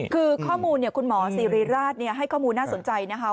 คือข้อมูลคุณหมอสิริราชให้ข้อมูลน่าสนใจนะคะ